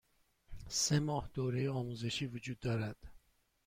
سه ماه دوره آزمایشی وجود دارد.